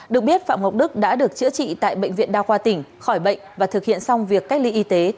được biết phạm ngọc đức đã được chữa trị tại bệnh viện đa khoa tỉnh khỏi bệnh và thực hiện xong việc cách ly y tế theo quy định